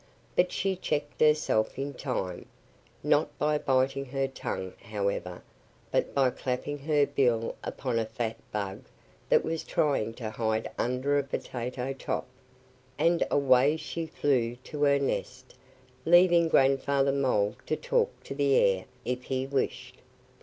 But she checked herself in time; not by biting her tongue, however, but by clapping her bill upon a fat bug that was trying to hide under a potato top. And away she flew to her nest, leaving Grandfather Mole to talk to the air, if he wished.